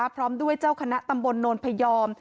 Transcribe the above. พร้อมด้วยเจ้าคณะตำบลโนนพยอม